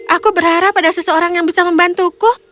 aku berharap ada seseorang yang bisa membantuku